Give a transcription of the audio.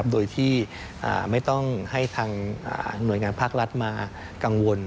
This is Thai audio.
โดยที่ไม่ต้องให้ทางหน่วยงานภาครัฐมากังวล